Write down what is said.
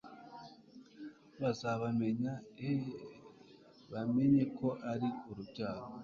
bazabamenya e bamenye ko ari urubyaro